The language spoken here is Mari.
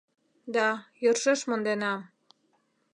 Да, йӧршеш монденам...